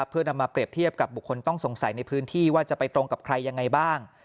เพื่อนำมาเปรียบเทียบกับบุคคลต้องสงสัยในพื้นที่ว่าจะไปตรงกับใครยังไงบ้าง